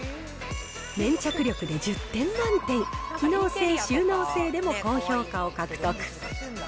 粘着力で１０点満点、機能性、収納性でも高評価を獲得。